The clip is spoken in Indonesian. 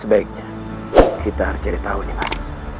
sebaiknya kita harus cari tahu nih mas